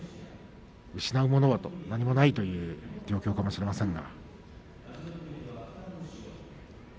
失うものは何もないという状況かもしれませんが。